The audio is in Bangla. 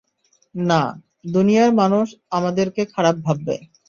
না, দুনিয়ার মানুষ আমাদেরকে খারাপ ভাববে!